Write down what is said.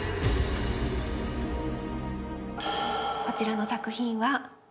こちらの作品は。